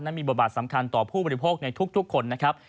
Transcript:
และมีบทบาทสำคัญต่อผู้บริโภคในทุกคนนะครับ